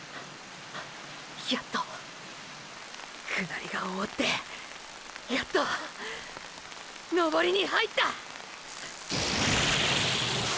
やっと下りが終わってやっと登りに入った！！！